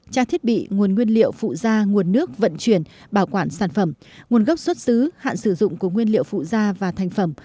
tra thiết bị nguồn nguyên liệu phụ da nguồn nước vận chuyển bảo quản sản phẩm nguồn gốc xuất xứ hạn sử dụng của nguyên liệu phụ da và thành phẩm